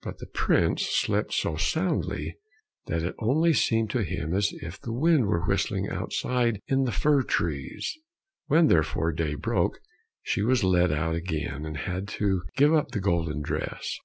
But the prince slept so soundly that it only seemed to him as if the wind were whistling outside in the fir trees. When therefore day broke, she was led out again, and had to give up the golden dress.